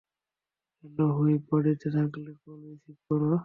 Hello, whip, বাড়িতে থাকলে, call receive করো।